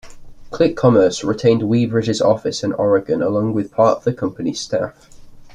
Click Commerce retained Webridge's office in Oregon along with part of that company's staff.